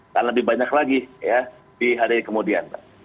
akan lebih banyak lagi ya di hari kemudian mbak